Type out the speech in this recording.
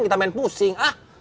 kita main pusing ah